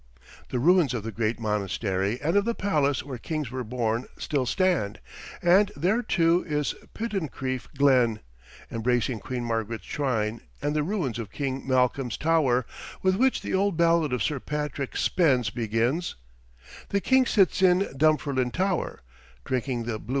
The ruins of the great monastery and of the Palace where kings were born still stand, and there, too, is Pittencrieff Glen, embracing Queen Margaret's shrine and the ruins of King Malcolm's Tower, with which the old ballad of "Sir Patrick Spens" begins: "The King sits in Dunfermline tower, Drinking the bluid red wine."